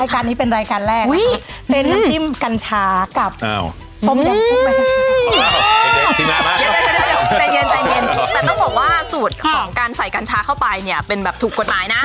การนี้เป็นรายการแรก